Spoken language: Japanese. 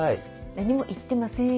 何も言ってません。